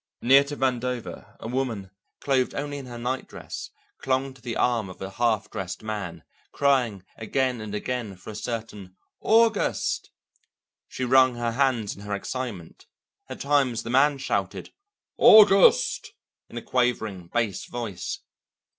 Near to Vandover a woman, clothed only in her night dress, clung to the arm of a half dressed man, crying again and again for a certain "August." She wrung her hands in her excitement; at times the man shouted "August!" in a quavering bass voice.